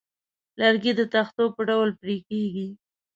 لرګی د تختو په ډول پرې کېږي.